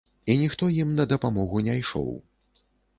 І ніхто ім на дапамогу не ішоў.